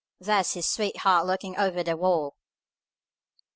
There's his sweetheart looking over the wall!"